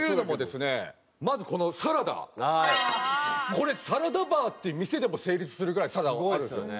これサラダバーっていう店でも成立するぐらいサラダがあるんですよね。